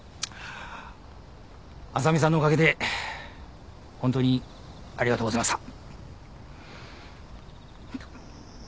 浅見さんのおかげで本当にありがとうございました。